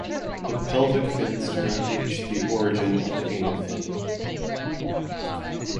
The pelvic fins do not reach the origin of the anal fin.